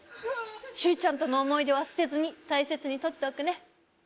周ちゃんとの思い出は捨てずに大切に取っておくね